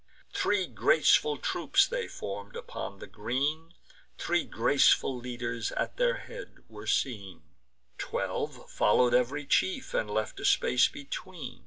Three graceful troops they form'd upon the green; Three graceful leaders at their head were seen; Twelve follow'd ev'ry chief, and left a space between.